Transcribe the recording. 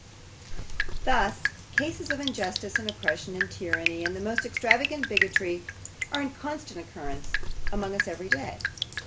Thus, cases of injustice, and oppression, and tyranny, and the most extravagant bigotry, are in constant occurrence among us every day.